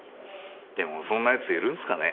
でもそんな奴いるんすかね？